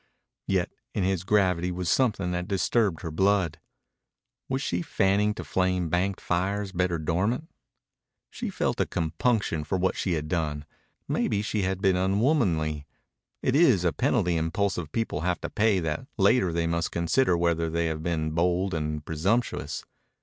Yet in his gravity was something that disturbed her blood. Was she fanning to flame banked fires better dormant? She felt a compunction for what she had done. Maybe she had been unwomanly. It is a penalty impulsive people have to pay that later they must consider whether they have been bold and presumptuous.